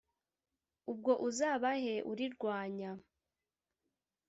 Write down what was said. ubwo uzabahe urirwanya